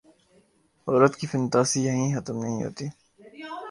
عورت کی فنتاسی یہیں ختم نہیں ہوتی۔